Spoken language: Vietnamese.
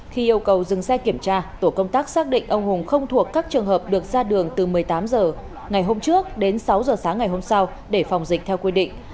khi yêu cầu dừng xe kiểm tra tổ công tác xác định ông hùng không thuộc các trường hợp được ra đường từ một mươi tám h ngày hôm trước đến sáu h sáng ngày hôm sau để phòng dịch theo quy định